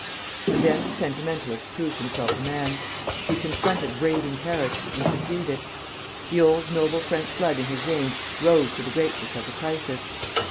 And then the sentimentalist proved himself a man. He confronted raving Paris, and subdued it. The old noble French blood in his veins rose to the greatness of the crisis.